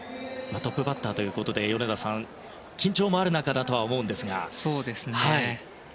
トップバッターということで米田さん緊張もある中だとは思うんですが。